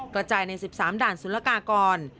กระจายใน๑๓ด่านศูนย์ละกากร